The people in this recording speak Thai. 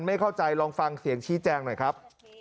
ไม่เข้าใจลองฟังเสียงชี้แจงหน่อยครับ